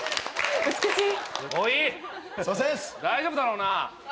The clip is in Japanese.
大丈夫だろうな？